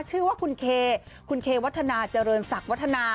ชื่อว่าคุณเคคุณเควัฒนาเจริญศักดิวัฒนา